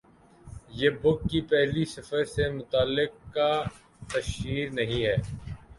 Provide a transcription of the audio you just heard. یہ بُک کی پہلی سفر سے متعلقہ تشہیر نہیں ہے